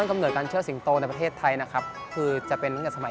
ของกำเนิดการเชื่อสิงโตในประเทศไทยนะครับคือจะเป็นวิจัย